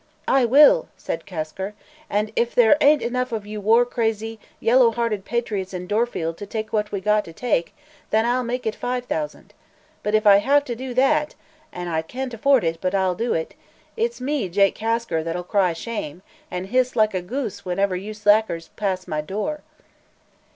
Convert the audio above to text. "I will," said Kasker; "and, if there ain't enough of you war crazy, yellow hearted patriots in Dorfield to take what we got to take, then I'll make it five thousand. But if I have to do that an' I can't afford it, but I'll do it! it's me, Jake Kasker, that'll cry 'Shame!' and hiss like a goose whenever you slackers pass my door."